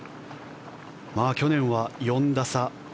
去年は４打差。